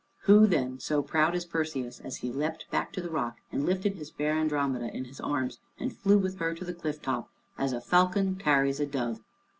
Who then so proud as Perseus, as he leapt back to the rock and lifted his fair Andromeda in his arms and flew with her to the cliff top, as a falcon carries a dove!